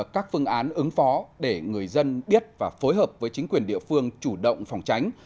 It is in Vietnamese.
các phương án ứng phó để người dân biết và phối hợp với chính quyền địa phương chủ động phòng tránh